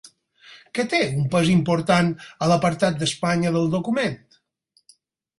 Què té un pes important a l'apartat d'Espanya del document?